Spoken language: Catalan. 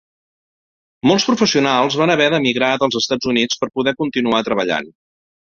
Molts professionals van haver d'emigrar dels Estats Units per poder continuar treballant.